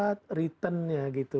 untuk mempercepat return nya gitu